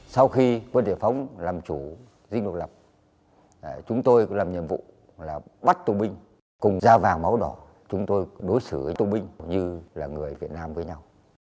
sau khi quân địa phóng làm chủ dinh độc lập chúng tôi làm nhiệm vụ là bắt tù binh cùng ra vàng máu đỏ chúng tôi đối xử với tù binh như là người việt nam với nhau